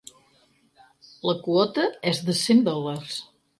La quota és de cent dòlars.